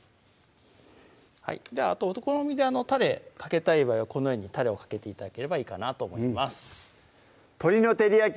あとお好みでタレかけたい場合はこの上にタレをかけて頂ければいいかなと思います「鶏の照り焼き」